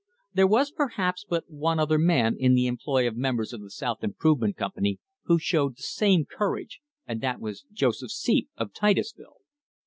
There was, perhaps, but one other man in the employ of members of the South Improvement Company who showed the same cour age, and that was Joseph Seep of Titusville.